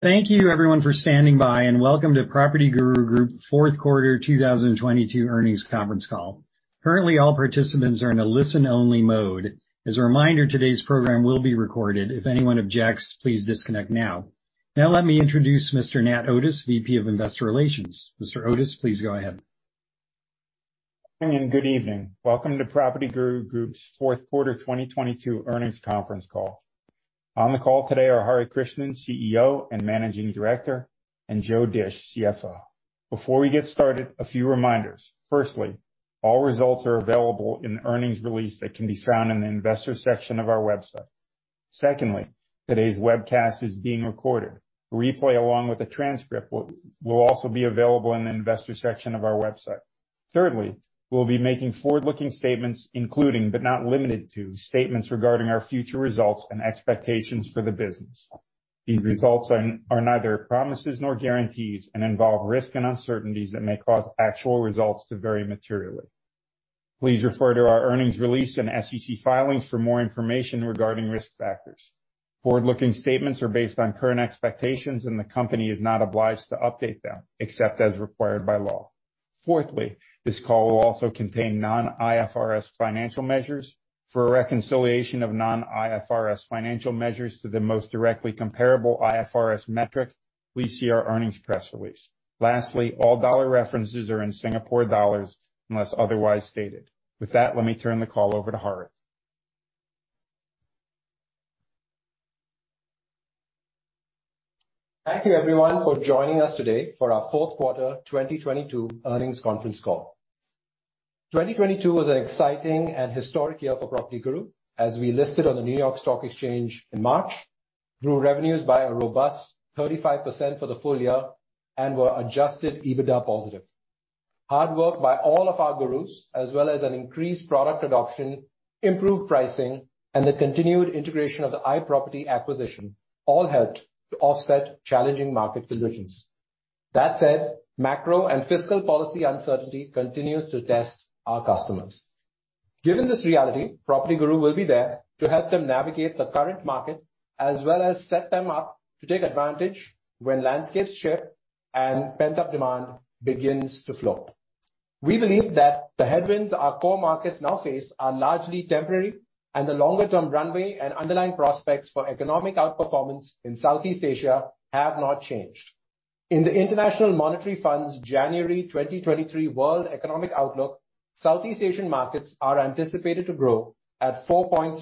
Thank you everyone for standing by, welcome to PropertyGuru Group Fourth Quarter 2022 Earnings Conference Call. Currently, all participants are in a listen only mode. As a reminder, today's program will be recorded. If anyone objects, please disconnect now. Let me introduce Mr. Nat Otis, VP of investor relations. Mr. Otis, please go ahead. Good evening. Welcome to PropertyGuru Group's fourth quarter 2022 earnings conference call. On the call today are Hari Krishnan, CEO and Managing Director, and Joe Dische, CFO. Before we get started, a few reminders. Firstly, all results are available in the earnings release that can be found in the investor section of our website. Secondly, today's webcast is being recorded. A replay along with the transcript will also be available in the Investor section of our website. Thirdly, we'll be making forward-looking statements, including but not limited to, statements regarding our future results and expectations for the business. These results are neither promises nor guarantees and involve risk and uncertainties that may cause actual results to vary materially. Please refer to our earnings release and SEC filings for more information regarding risk factors. Forward-looking statements are based on current expectations and the company is not obliged to update them except as required by law. Fourthly, this call will also contain non-IFRS financial measures. For a reconciliation of non-IFRS financial measures to the most directly comparable IFRS metric, please see our earnings press release. Lastly, all dollar references are in Singapore dollars unless otherwise stated. With that, let me turn the call over to Hari. Thank you everyone for joining us today for our fourth quarter 2022 earnings conference call. 2022 was an exciting and historic year for PropertyGuru as we listed on the New York Stock Exchange in March, grew revenues by a robust 35% for the full year, and were Adjusted EBITDA positive. Hard work by all of our Gurus, as well as an increased product adoption, improved pricing, and the continued integration of the iProperty acquisition all helped to offset challenging market conditions. That said, macro and fiscal policy uncertainty continues to test our customers. Given this reality, PropertyGuru will be there to help them navigate the current market, as well as set them up to take advantage when landscapes shift and pent-up demand begins to flow. We believe that the headwinds our core markets now face are largely temporary and the longer term runway and underlying prospects for economic outperformance in Southeast Asia have not changed. In the International Monetary Fund's January 2023 world economic outlook, Southeast Asian markets are anticipated to grow at 4.3%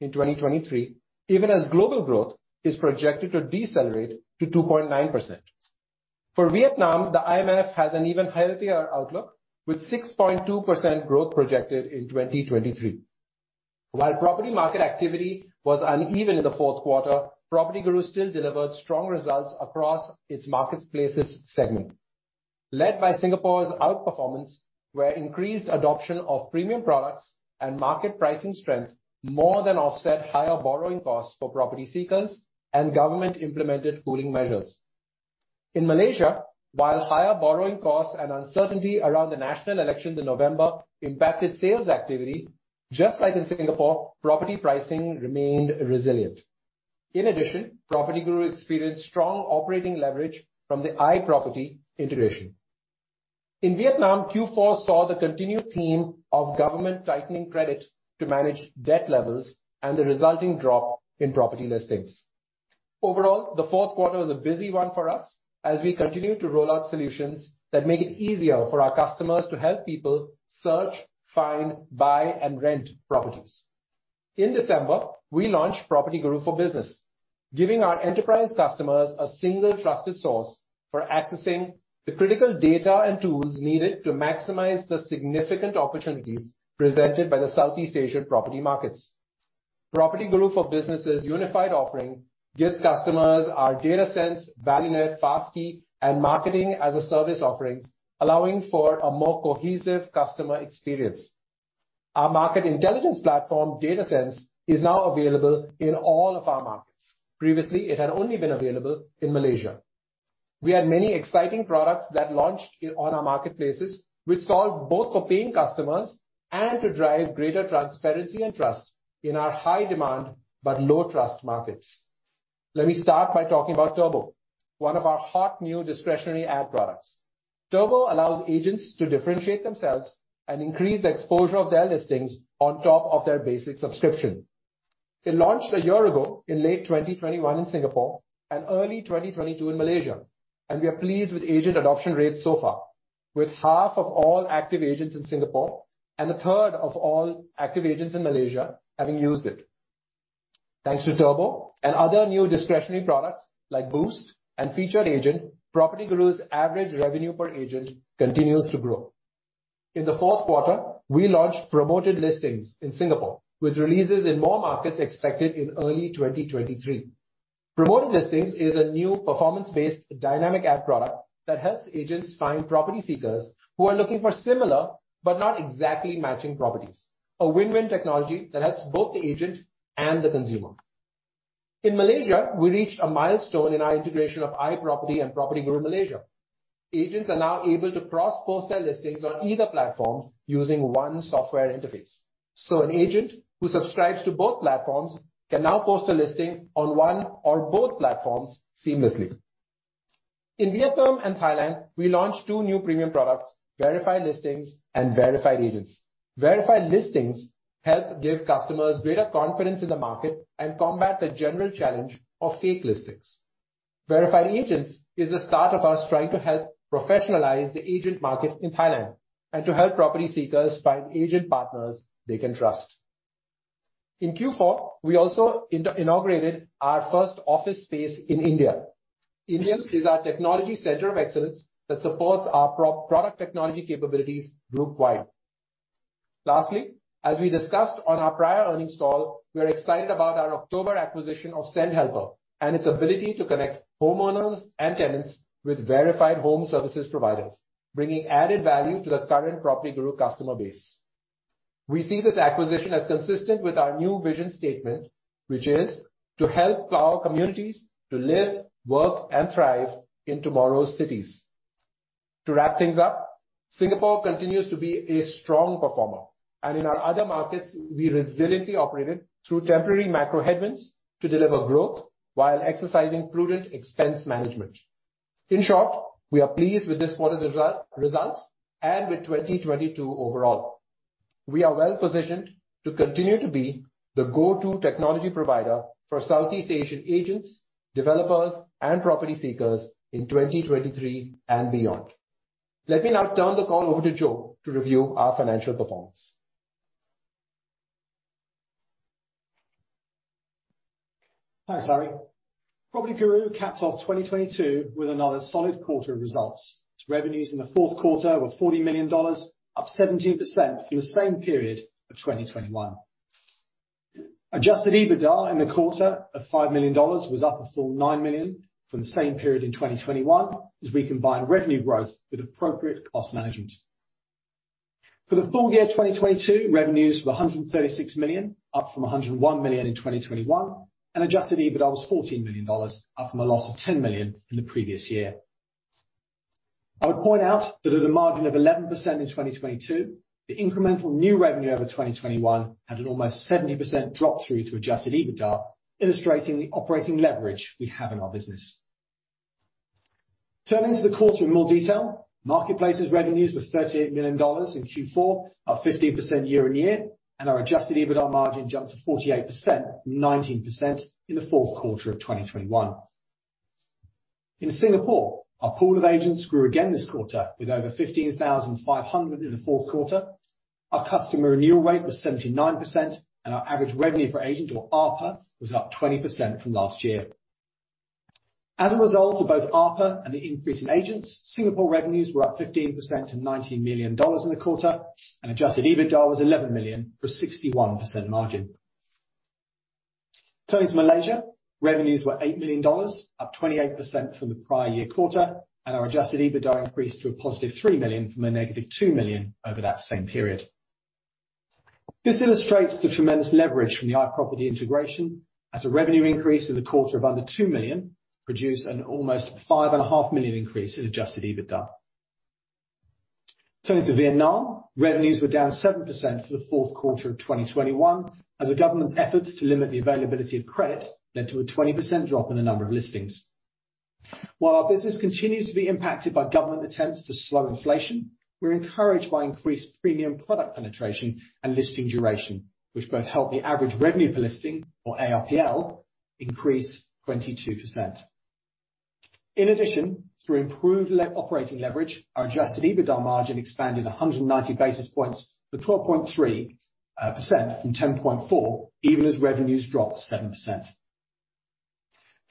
in 2023, even as global growth is projected to decelerate to 2.9%. For Vietnam, the IMF has an even healthier outlook with 6.2% growth projected in 2023. While property market activity was uneven in the fourth quarter, PropertyGuru still delivered strong results across its marketplaces segment. Led by Singapore's outperformance, where increased adoption of premium products and market pricing strength more than offset higher borrowing costs for property seekers and government implemented cooling measures. In Malaysia, while higher borrowing costs and uncertainty around the national elections in November impacted sales activity, just like in Singapore, property pricing remained resilient. In addition, PropertyGuru experienced strong operating leverage from the iProperty integration. In Vietnam, Q4 saw the continued theme of government tightening credit to manage debt levels and the resulting drop in property listings. Overall, the fourth quarter was a busy one for us as we continue to roll out solutions that make it easier for our customers to help people search, find, buy, and rent properties. In December, we launched PropertyGuru For Business, giving our enterprise customers a single trusted source for accessing the critical data and tools needed to maximize the significant opportunities presented by the Southeast Asian property markets. PropertyGuru For Business's unified offering gives customers our DataSense, ValueNet, FastKey, and Marketing as a Service offerings, allowing for a more cohesive customer experience. Our market intelligence platform, DataSense, is now available in all of our markets. Previously, it had only been available in Malaysia. We had many exciting products that launched on our marketplaces which solved both for paying customers and to drive greater transparency and trust in our high demand but low trust markets. Let me start by talking about Turbo, one of our hot new discretionary ad products. Turbo allows agents to differentiate themselves and increase the exposure of their listings on top of their basic subscription. It launched a year ago in late 2021 in Singapore and early 2022 in Malaysia. We are pleased with agent adoption rates so far, with half of all active agents in Singapore and a third of all active agents in Malaysia having used it. Thanks to Turbo and other new discretionary products like Boost and Featured Agent, PropertyGuru's average revenue per agent continues to grow. In the fourth quarter, we launched Promoted Listings in Singapore with releases in more markets expected in early 2023. Promoted Listings is a new performance-based dynamic ad product that helps agents find property seekers who are looking for similar but not exactly matching properties. A win-win technology that helps both the agent and the consumer. In Malaysia, we reached a milestone in our integration of iProperty and PropertyGuru Malaysia. Agents are now able to cross-post their listings on either platforms using one software interface. An agent who subscribes to both platforms can now post a listing on one or both platforms seamlessly. In Vietnam and Thailand, we launched two new premium products, Verified Listings and Verified Agents. Verified Listings help give customers greater confidence in the market and combat the general challenge of fake listings. Verified Agents is the start of us trying to help professionalize the agent market in Thailand and to help property seekers find agent partners they can trust. In Q4, we also inaugurated our first office space in India. India is our technology center of excellence that supports our product technology capabilities group wide. Lastly, as we discussed on our prior earnings call, we are excited about our October acquisition of Sendhelper and its ability to connect homeowners and tenants with verified home services providers, bringing added value to the current PropertyGuru customer base. We see this acquisition as consistent with our new vision statement, which is to help power communities to live, work, and thrive in tomorrow's cities. To wrap things up, Singapore continues to be a strong performer, in our other markets, we resiliently operated through temporary macro headwinds to deliver growth while exercising prudent expense management. In short, we are pleased with this quarter's results and with 2022 overall. We are well positioned to continue to be the go-to technology provider for Southeast Asian agents, developers, and property seekers in 2023 and beyond. Let me now turn the call over to Joe to review our financial performance. Thanks, Hari. PropertyGuru capped off 2022 with another solid quarter of results. Revenues in the fourth quarter were 40 million dollars, up 17% from the same period of 2021. Adjusted EBITDA in the quarter of 5 million dollars was up a full 9 million from the same period in 2021 as we combined revenue growth with appropriate cost management. For the full year 2022, revenues were 136 million, up from 101 million in 2021, and Adjusted EBITDA was 14 million dollars, up from a loss of 10 million in the previous year. I would point out that at a margin of 11% in 2022, the incremental new revenue over 2021 had an almost 70% drop through to Adjusted EBITDA, illustrating the operating leverage we have in our business. Turning to the quarter in more detail. Marketplace's revenues were 38 million dollars in Q4, up 15% year-on-year. Our Adjusted EBITDA margin jumped to 48% from 19% in the fourth quarter of 2021. In Singapore, our pool of agents grew again this quarter with over 15,500 in the fourth quarter. Our customer renewal rate was 79%. Our average revenue per agent or ARPA was up 20% from last year. As a result of both ARPA and the increase in agents, Singapore revenues were up 15% to 19 million dollars in the quarter. Adjusted EBITDA was 11 million for a 61% margin. Turning to Malaysia. Revenues were 8 million dollars, up 28% from the prior year quarter. Our Adjusted EBITDA increased to a positive 3 million from a negative 2 million over that same period. This illustrates the tremendous leverage from the iProperty integration as a revenue increase in the quarter of under 2 million produced an almost 5.5 million increase in Adjusted EBITDA. Turning to Vietnam. Revenues were down 7% for the fourth quarter of 2021 as the government's efforts to limit the availability of credit led to a 20% drop in the number of listings. While our business continues to be impacted by government attempts to slow inflation, we're encouraged by increased premium product penetration and listing duration, which both help the average revenue per listing or ARPL increase 22%. Through improved operating leverage, our Adjusted EBITDA margin expanded 190 basis points to 12.3% from 10.4%, even as revenues dropped 7%.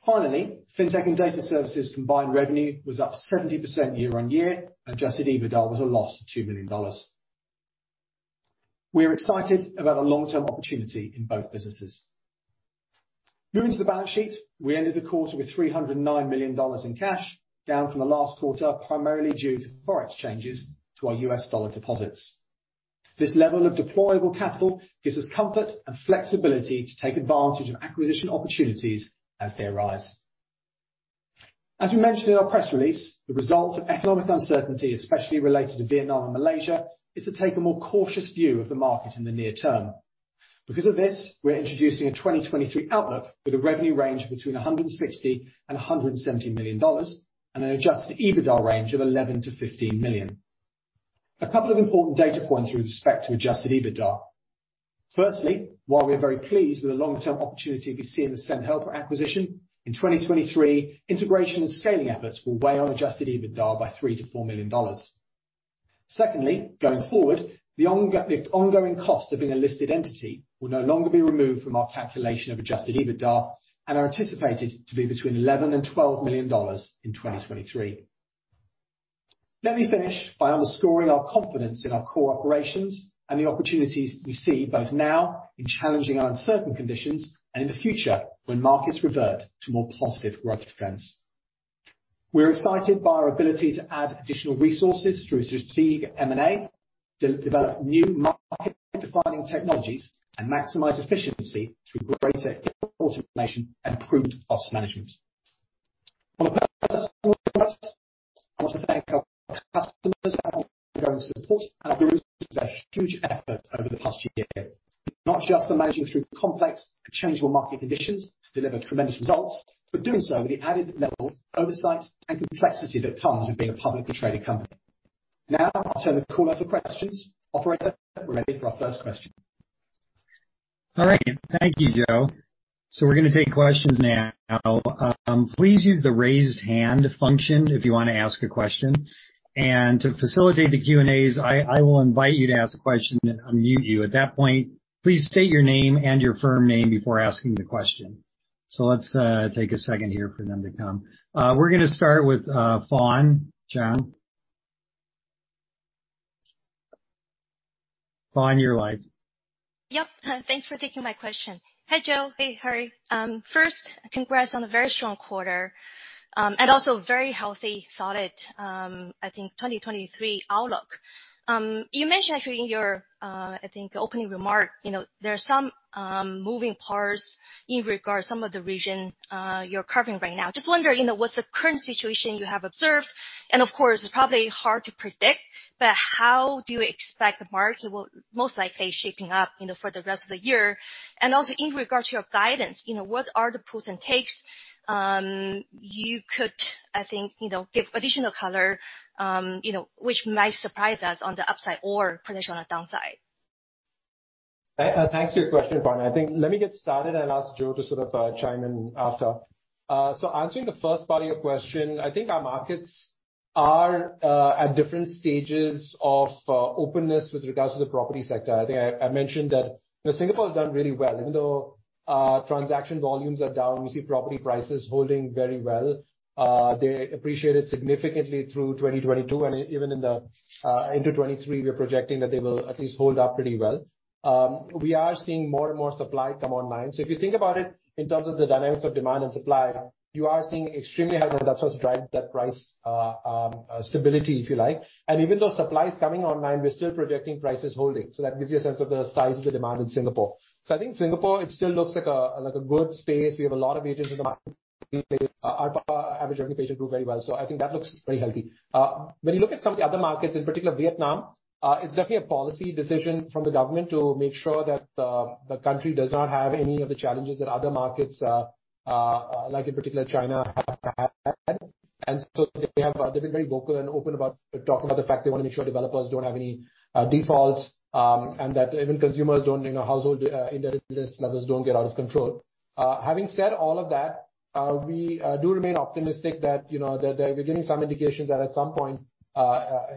Finally, Fintech and Data Services combined revenue was up 70% year-on-year, Adjusted EBITDA was a loss of 2 million dollars. We are excited about the long-term opportunity in both businesses. Moving to the balance sheet, we ended the quarter with 309 million dollars in cash, down from the last quarter, primarily due to forex changes to our U.S. dollar deposits. This level of deployable capital gives us comfort and flexibility to take advantage of acquisition opportunities as they arise. As we mentioned in our press release, the result of economic uncertainty, especially related to Vietnam and Malaysia, is to take a more cautious view of the market in the near term. Because of this, we're introducing a 2023 outlook with a revenue range between 160 million-170 million dollars and an Adjusted EBITDA range of 11 million-15 million. A couple of important data points with respect to Adjusted EBITDA. Firstly, while we are very pleased with the long-term opportunity we see in the Sendhelper acquisition, in 2023, integration and scaling efforts will weigh on Adjusted EBITDA by 3 million-4 million dollars. Secondly, going forward, the ongoing cost of being a listed entity will no longer be removed from our calculation of Adjusted EBITDA and are anticipated to be between 11 million and 12 million dollars in 2023. Let me finish by underscoring our confidence in our core operations and the opportunities we see both now in challenging uncertain conditions and in the future when markets revert to more positive growth trends. We're excited by our ability to add additional resources through strategic M&A. To develop new market defining technologies and maximize efficiency through greater information and improved cost management. On a personal note, I want to thank our customers for their ongoing support, and the group for their huge effort over the past year, not just for managing through complex and changeable market conditions to deliver tremendous results, but doing so with the added level of oversight and complexity that comes with being a publicly traded company. I'll turn the call out for questions. Operator, we're ready for our first question. All right. Thank you, Joe. We're gonna take questions now. Please use the Raise Hand function if you wanna ask a question. To facilitate the Q&As, I will invite you to ask a question and unmute you. At that point, please state your name and your firm name before asking the question. Let's take a second here for them to come. We're gonna start with Fawne Jiang. Fawne, you're live. Yep. Thanks for taking my question. Hi, Joe. Hey, Hari. First, congrats on a very strong quarter, and also very healthy, solid, I think 2023 outlook. You mentioned actually in your, I think opening remark, you know, there are some moving parts in regards some of the region, you're covering right now. Just wondering, you know, what's the current situation you have observed, and of course, it's probably hard to predict, but how do you expect the market will most likely shaping up, you know, for the rest of the year? Also in regards to your guidance, you know, what are the pros and takes, you could, I think, you know, give additional color, you know, which might surprise us on the upside or potentially on the downside. Thanks for your question, Fawne. I think let me get started and ask Joe to sort of chime in after. Answering the first part of your question, I think our markets are at different stages of openness with regards to the property sector. I think I mentioned that, you know, Singapore has done really well, even though transaction volumes are down, we see property prices holding very well. They appreciated significantly through 2022, and even in the into 2023, we are projecting that they will at least hold up pretty well. We are seeing more and more supply come online. If you think about it, in terms of the dynamics of demand and supply, you are seeing extremely healthy, and that's what's driving that price stability, if you like. Even though supply is coming online, we're still projecting prices holding. That gives you a sense of the size of the demand in Singapore. I think Singapore, it still looks like a, like a good space. We have a lot of agents in the market. Our average occupation grew very well. I think that looks very healthy. When you look at some of the other markets, in particular Vietnam, it's definitely a policy decision from the government to make sure that the country does not have any of the challenges that other markets, like in particular China have had. They've been very vocal and open about talking about the fact they wanna make sure developers don't have any defaults, and that even consumers don't, you know, household indebtedness levels don't get out of control. Having said all of that, we do remain optimistic that, you know, that we're getting some indications that at some point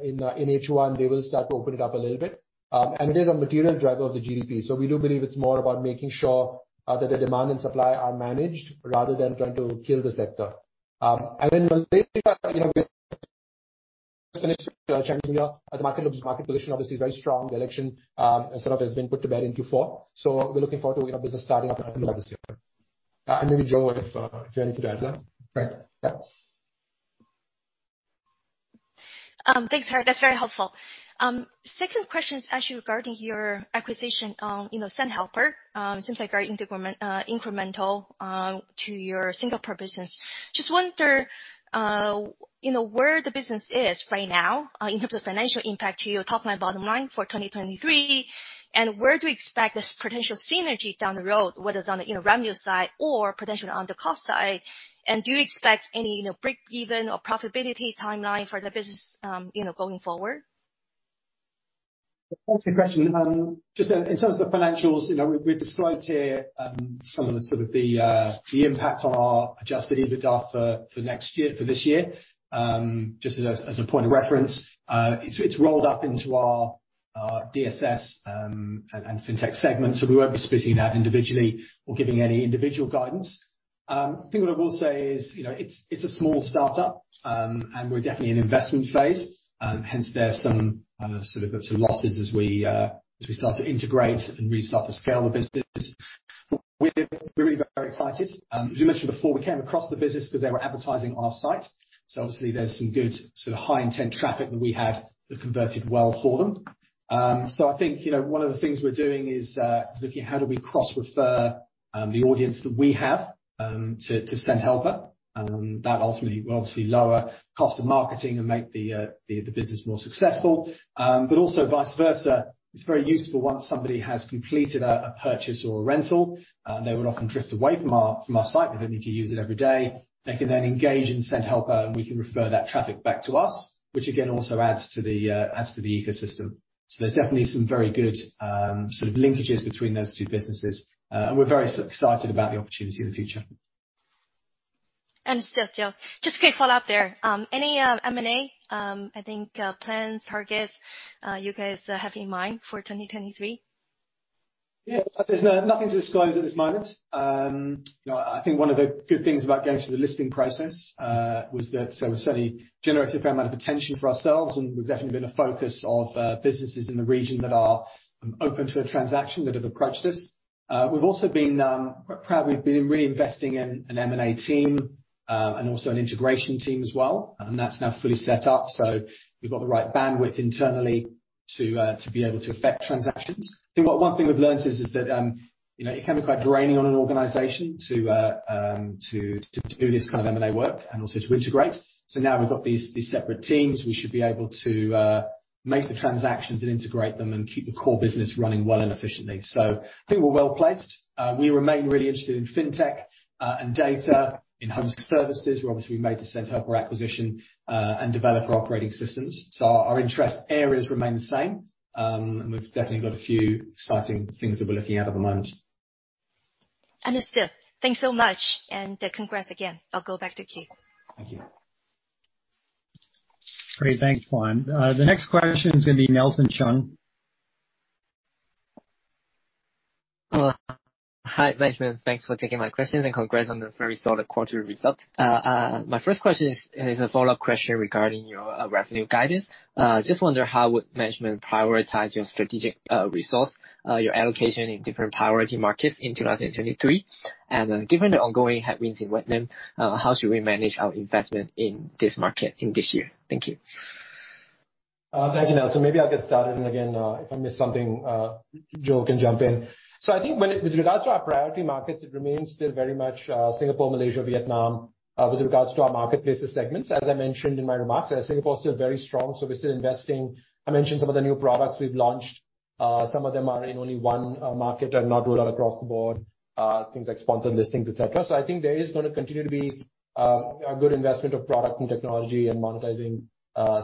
in H1, they will start to open it up a little bit. It is a material driver of the GDP. We do believe it's more about making sure that the demand and supply are managed rather than trying to kill the sector. Malaysia, you know, with the minister changing here, market position obviously is very strong. The election sort of has been put to bed into four. We're looking forward to our business starting up this year. Maybe Joe, if you wanted to add there. Right. Yeah. Thanks, Hari. That's very helpful. Second question is actually regarding your acquisition, you know, Sendhelper. Seems like very incremental to your Singapore business. Just wonder, you know, where the business is right now in terms of financial impact to your top-line, bottom line for 2023, where do you expect this potential synergy down the road, whether it's on the, you know, revenue side or potentially on the cost side. Do you expect any, you know, break even or profitability timeline for the business, you know, going forward? Thanks for your question. Just in terms of the financials, you know, we described here some of the sort of the impact on our Adjusted EBITDA for this year, just as a point of reference. It's rolled up into our DSS and Fintech segment, so we won't be splitting that individually or giving any individual guidance. I think what I will say is, you know, it's a small startup, and we're definitely in investment phase. Hence, there are some sort of some losses as we start to integrate and really start to scale the business. We're really very excited. As we mentioned before, we came across the business 'cause they were advertising our site, so obviously there's some good sort of high-intent traffic that we had that converted well for them. I think, you know, one of the things we're doing is looking at how do we cross-refer the audience that we have to Sendhelper. That ultimately will obviously lower cost of marketing and make the business more successful. But also vice versa, it's very useful once somebody has completed a purchase or a rental, and they would often drift away from our site. They don't need to use it every day. They can then engage in Sendhelper, and we can refer that traffic back to us, which again, also adds to the ecosystem. There's definitely some very good, sort of linkages between those two businesses. We're very excited about the opportunity in the future. Understood, Joe. Just a quick follow-up there. Any M&A I think plans, targets, you guys have in mind for 2023? Yeah. There's nothing to disclose at this moment. You know, I think one of the good things about going through the listing process was that we've certainly generated a fair amount of attention for ourselves, and we've definitely been a focus of businesses in the region that are open to a transaction that have approached us. We've also been quite proud we've been really investing in an M&A team and also an integration team as well. That's now fully set up, so we've got the right bandwidth internally to be able to effect transactions. I think what one thing we've learned is that, you know, it can be quite draining on an organization to do this kind of M&A work and also to integrate. Now we've got these separate teams, we should be able to make the transactions and integrate them and keep the core business running well and efficiently. I think we're well-placed. We remain really interested in Fintech, and Data in home services, where obviously we made the Sendhelper acquisition, and developer operating systems. Our interest areas remain the same. We've definitely got a few exciting things that we're looking at the moment. Understood. Thanks so much, and, congrats again. I'll go back to queue. Thank you. Great. Thanks, Fawne. The next question is gonna be Nelson Cheung. Hello. Hi, management. Thanks for taking my questions, and congrats on the very solid quarterly results. My first question is a follow-up question regarding your revenue guidance. Just wonder how would management prioritize your strategic resource allocation in different priority markets in 2023? Given the ongoing headwinds in Vietnam, how should we manage our investment in this market in this year? Thank you. Thank you, Nelson. Maybe I'll get started, and again, if I miss something, Joe can jump in. I think with regards to our priority markets, it remains still very much Singapore, Malaysia, Vietnam, with regards to our marketplace segments. As I mentioned in my remarks, Singapore is still very strong, so we're still investing. I mentioned some of the new products we've launched. Some of them are in only one market and not rolled out across the board, things like sponsored listings, et cetera. I think there is gonna continue to be a good investment of product and technology and monetizing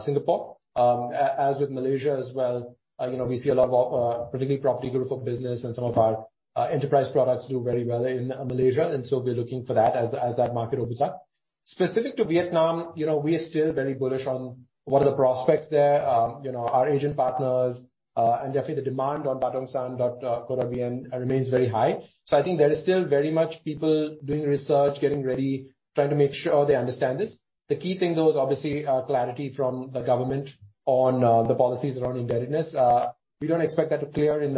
Singapore. As with Malaysia as well, you know, we see a lot of particularly property group of business and some of our enterprise products do very well in Malaysia. We're looking for that as that market opens up. Specific to Vietnam, you know, we are still very bullish on what are the prospects there. You know, our agent partners and definitely the demand on Batdongsan.com.vn remains very high. I think there is still very much people doing research, getting ready, trying to make sure they understand this. The key thing, though, is obviously clarity from the government on the policies around indebtedness. We don't expect that to clear in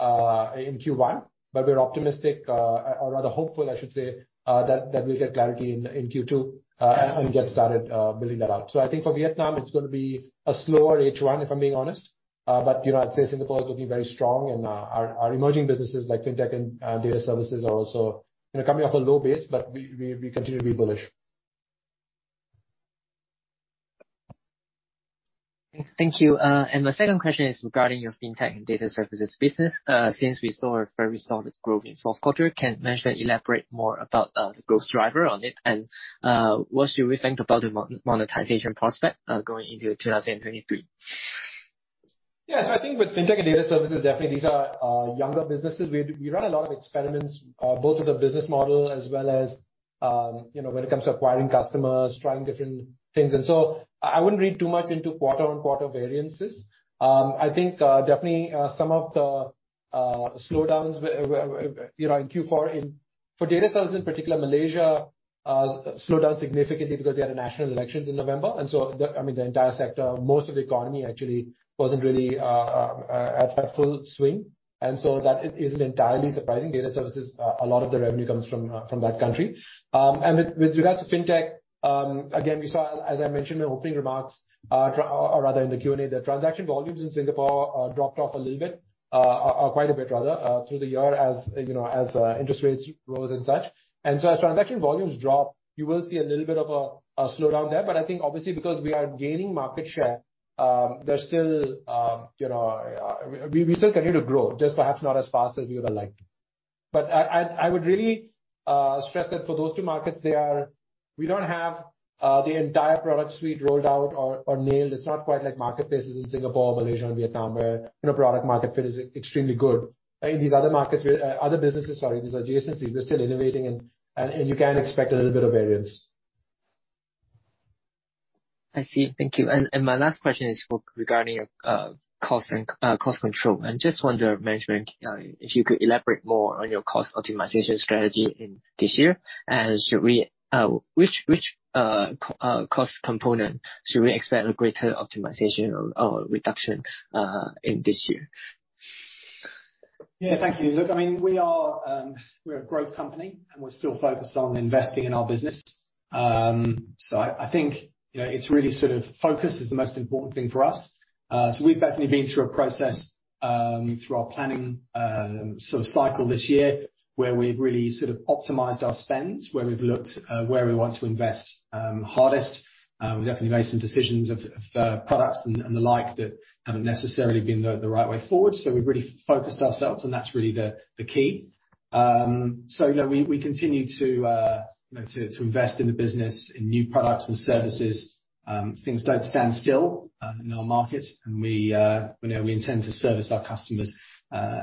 Q1, but we're optimistic, or rather hopeful, I should say, that we'll get clarity in Q2, and get started building that out. I think for Vietnam, it's gonna be a slower H1, if I'm being honest. You know, I'd say Singapore will be very strong and our emerging businesses like Fintech and Data Services are also, you know, coming off a low base, but we continue to be bullish. Thank you. My second question is regarding your Fintech and Data Services business. Since we saw a very solid growth in fourth quarter, can management elaborate more about the growth driver on it? What should we think about the monetization prospect going into 2023? I think with Fintech and Data Services, definitely these are younger businesses. We run a lot of experiments, both with the business model as well as, you know, when it comes to acquiring customers, trying different things. I wouldn't read too much into quarter on quarter variances. I think, definitely, some of the slowdowns were, you know, in Q4 for Data Services in particular, Malaysia slowed down significantly because they had national elections in November. I mean, the entire sector, most of the economy actually wasn't really at full swing. That isn't entirely surprising. Data Services, a lot of the revenue comes from that country. With regards to Fintech, again, we saw, as I mentioned in the opening remarks, or rather in the Q&A, the transaction volumes in Singapore dropped off a little bit, or quite a bit rather, through the year as, you know, as interest rates rose and such. As transaction volumes drop, you will see a little bit of a slowdown there. I think obviously because we are gaining market share, there's still, you know, we still continue to grow, just perhaps not as fast as we would have liked. I would really stress that for those two markets, we don't have the entire product suite rolled out or nailed. It's not quite like marketplaces in Singapore, Malaysia and Vietnam, where, you know, product market fit is extremely good. In these other markets, we're other businesses, sorry, these adjacencies, we're still innovating and you can expect a little bit of variance. I see. Thank you. My last question is regarding your cost control. I just wonder, management, if you could elaborate more on your cost optimization strategy in this year? Which cost component should we expect a greater optimization or reduction in this year? Yeah. Thank you. Look, I mean, we are, we're a growth company, and we're still focused on investing in our business. I think, you know, it's really sort of focus is the most important thing for us. We've definitely been through a process, through our planning, sort of cycle this year, where we've really sort of optimized our spend, where we've looked, where we want to invest, hardest. We've definitely made some decisions of products and the like that haven't necessarily been the right way forward. We've really focused ourselves, and that's really the key. You know, we continue to, you know, to invest in the business, in new products and services. Things don't stand still, in our market. We, you know, we intend to service our customers,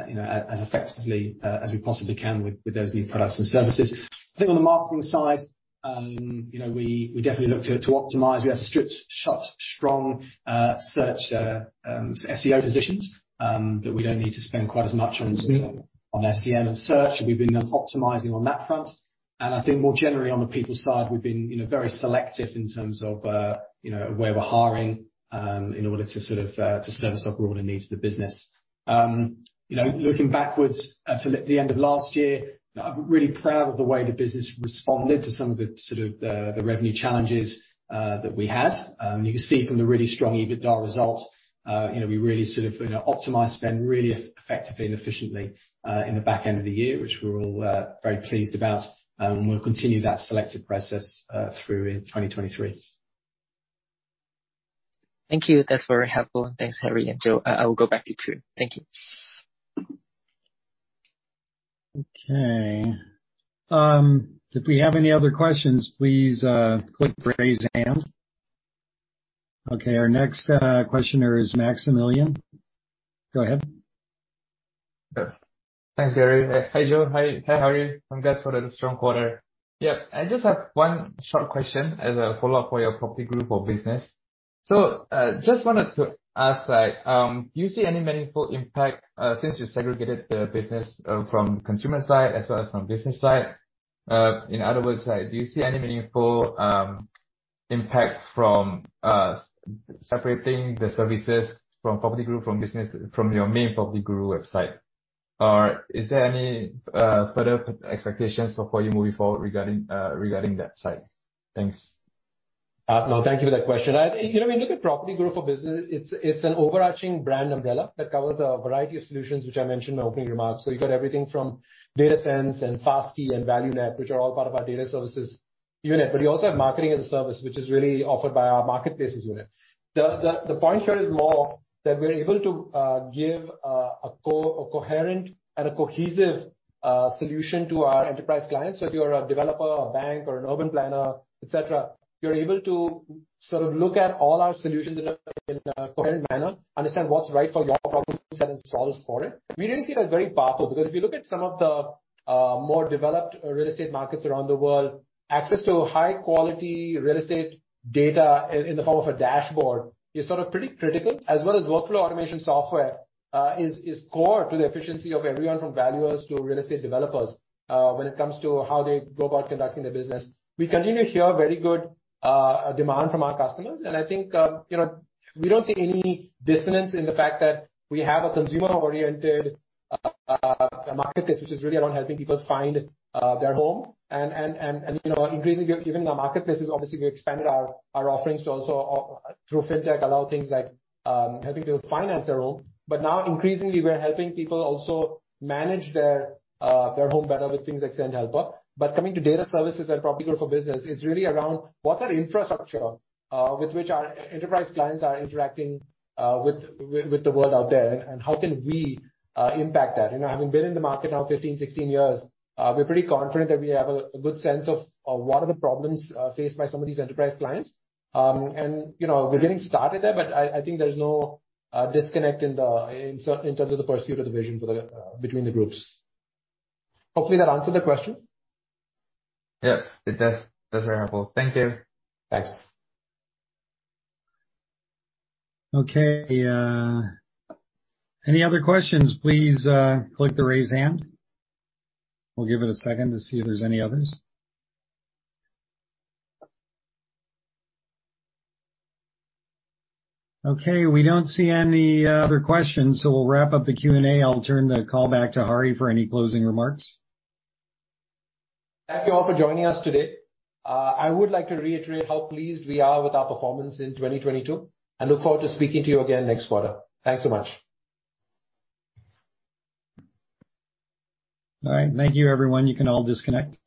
you know, as effectively as we possibly can with those new products and services. I think on the marketing side, you know, we definitely look to optimize. We have strict, strong SEO positions that we don't need to spend quite as much on SEM and search. We've been optimizing on that front. I think more generally on the people side, we've been, you know, very selective in terms of, you know, where we're hiring in order to sort of to service up all the needs of the business. You know, looking backwards, to the end of last year, I'm really proud of the way the business responded to some of the sort of the revenue challenges, that we had. You can see from the really strong EBITDA results, you know, we really sort of, you know, optimized spend really effectively and efficiently, in the back end of the year, which we're all very pleased about. We'll continue that selective process, through in 2023. Thank you. That's very helpful. Thanks, Hari and Joe. I will go back to you, Prue. Thank you. Okay. If we have any other questions, please click Raise Hand. Okay, our next questioner is Maximilian. Go ahead. Thanks. Hi, Joe. Hi. Hi, Hari. Congrats for the strong quarter. Yeah. I just have one short question as a follow-up for your PropertyGuru for Business. Just wanted to ask, like, do you see any meaningful impact since you segregated the business from consumer side as well as from business side? In other words, like, do you see any meaningful impact from separating the services from PropertyGuru for Business from your main PropertyGuru website? Is there any further expectations for you moving forward regarding that site? Thanks. No, thank you for that question. you know, when you look at PropertyGuru For Business, it's an overarching brand umbrella that covers a variety of solutions, which I mentioned in my opening remarks. You've got everything from DataSense and FastKey and ValueNet, which are all part of our Data Services unit. You also have Marketing as a Service, which is really offered by our marketplaces unit. The point here is more that we're able to give a coherent and a cohesive solution to our enterprise clients. If you're a developer or a bank or an urban planner, et cetera, you're able to sort of look at all our solutions in a, in a coherent manner, understand what's right for your problems and solve for it. We really see that as very powerful, because if you look at some of the more developed real estate markets around the world, access to high quality real estate data in the form of a dashboard is sort of pretty critical. As well as workflow automation software is core to the efficiency of everyone from valuers to real estate developers when it comes to how they go about conducting their business. We continue to hear very good demand from our customers, and I think, you know, we don't see any dissonance in the fact that we have a consumer-oriented marketplace which is really around helping people find their home. You know, increasingly giving our marketplace is obviously we expanded our offerings to also through Fintech, allow things like helping people finance their home. Now increasingly, we're helping people also manage their home better with things like Sendhelper. Coming to Data Services and PropertyGuru For Business is really around what are the infrastructure with which our enterprise clients are interacting with the world out there, and how can we impact that. You know, having been in the market now 15, 16 years, we're pretty confident that we have a good sense of what are the problems faced by some of these enterprise clients. You know, we're getting started there, but I think there's no disconnect in terms of the pursuit of the vision for the between the groups. Hopefully that answered the question. Yeah. That's very helpful. Thank you. Thanks. Any other questions, please, click the Raise Hand. We'll give it a second to see if there's any others. We don't see any other questions, so we'll wrap up the Q&A. I'll turn the call back to Hari for any closing remarks. Thank you all for joining us today. I would like to reiterate how pleased we are with our performance in 2022 and look forward to speaking to you again next quarter. Thanks so much. All right. Thank you, everyone. You can all disconnect.